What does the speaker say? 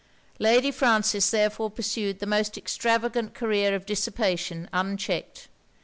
Lady Frances therefore pursued the most extravagant career of dissipation unchecked.